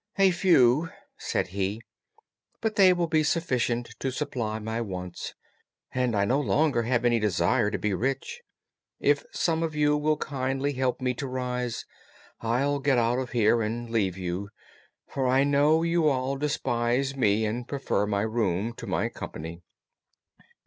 "A few," said he, "but they will be sufficient to supply my wants, and I no longer have any desire to be rich. If some of you will kindly help me to rise, I'll get out of here and leave you, for I know you all despise me and prefer my room to my company."